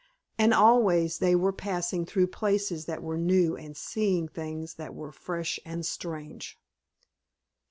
And always they were passing through places that were new and seeing things that were fresh and strange.